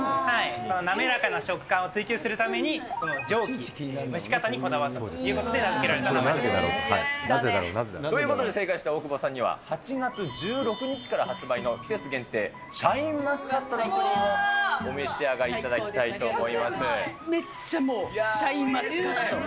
滑らかな食感を追求するために、蒸気、蒸し方にこだわったということで。ということで、正解した大久保さんには、８月１６日から発売の季節限定、シャインマスカットのプリン、お召し上がりいただきたいと思いめっちゃもう、シャインマスカット。